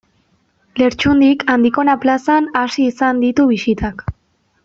Lertxundik Andikona plazan hasi izan ditu bisitak.